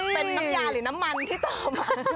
เป็นน้ำยาหรือน้ำมันที่เติมมา